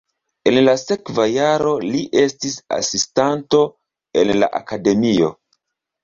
En la sekva jaro li estis asistanto en la akademio.